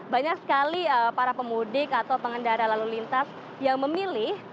banyak sekali para pemudik atau pengendara lalu lintas yang memilih